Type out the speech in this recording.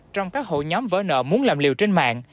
trong các hội nhóm vỡ nợ muốn làm liều trên mạng